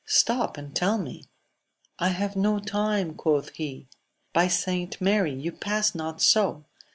stop and tell me ! I have no time, quoth he. — By St. Mary, you pass not so